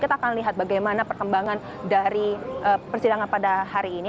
kita akan lihat bagaimana perkembangan dari persidangan pada hari ini